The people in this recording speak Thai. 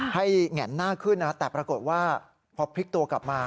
ให้แหง่นหน้าขึ้นนะแต่ปรากฏว่าพอพลิกตัวกลับมา